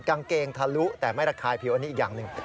กางเกงทะลุแต่ไม่ระคายผิวอันนี้อีกอย่างหนึ่ง